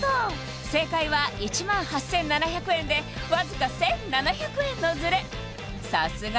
正解は１万８７００円でわずか１７００円のズレ